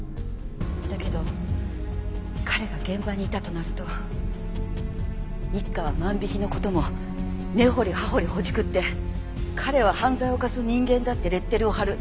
だけど彼が現場にいたとなると一課は万引きの事も根掘り葉掘りほじくって彼は犯罪を犯す人間だってレッテルを貼る。